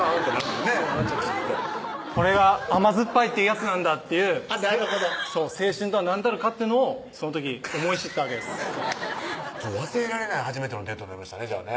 きっとこれが甘酸っぱいっていうやつなんだっていうなるほど青春とは何たるかっていうのをその時思い知ったわけです忘れられない初めてのデートになりましたねじゃあね